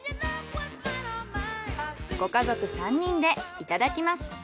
ご家族３人でいただきます。